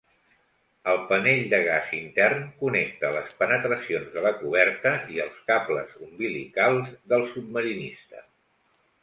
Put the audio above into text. El panell de gas intern connecta les penetracions de la coberta i els cables umbilicals del submarinista.